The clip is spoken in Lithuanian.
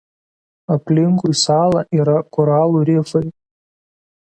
Aplinkui salą yra koralų rifai.